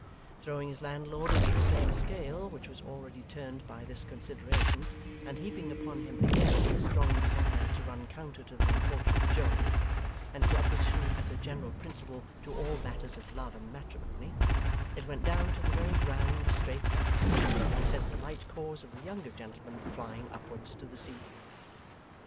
Throwing his landlord into the same scale, which was already turned by this consideration, and heaping upon him, again, his strong desires to run counter to the unfortunate Joe, and his opposition as a general principle to all matters of love and matrimony, it went down to the very ground straightway, and sent the light cause of the younger gentleman flying upwards to the ceiling.